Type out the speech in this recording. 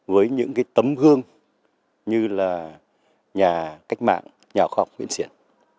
với những tấm gương như là nhà cách mạng nhà khoa học nguyễn xiển